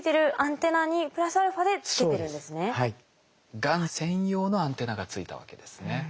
がん専用のアンテナがついたわけですね。